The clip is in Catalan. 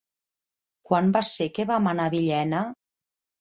Quan va ser que vam anar a Villena?